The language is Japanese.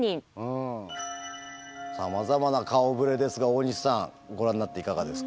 さまざまな顔ぶれですが大西さんご覧になっていかがですか？